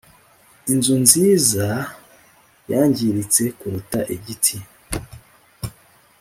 inzu nziza yangiritse kuruta igiti